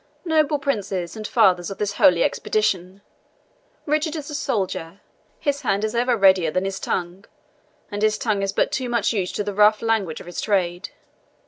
Noble princes and fathers of this holy expedition, Richard is a soldier his hand is ever readier than his tongue and his tongue is but too much used to the rough language of his trade.